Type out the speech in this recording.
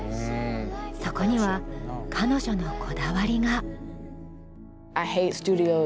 そこには彼女のこだわりが。